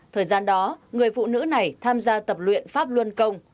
thời gian đó người phụ nữ này tham gia tập luyện pháp luân công